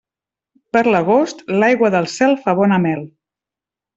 Per l'agost, l'aigua del cel fa bona mel.